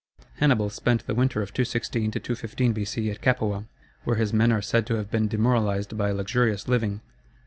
Hannibal spent the winter of 216 215 B.C. at Capua, where his men are said to have been demoralized by luxurious living.